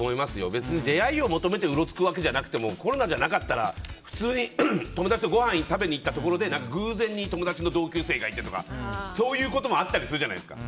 別に出会いを求めてうろつくわけじゃなくてもコロナじゃなかったら普通に友達とごはんを食べに行ったところで偶然に友達の同級生がいてとかそういうこともあったりするじゃないですか。